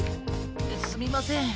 すみません。